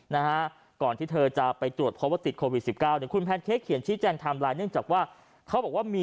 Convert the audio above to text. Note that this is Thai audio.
เนี่ยคุณแพนเค้กเขียนชี้แจ้งทำลายเนื่องจากว่าเขาบอกว่ามี